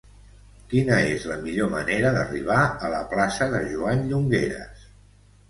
Quina és la millor manera d'arribar a la plaça de Joan Llongueras?